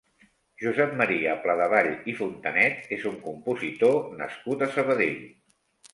Josep Maria Pladevall i Fontanet és un compositor nascut a Sabadell.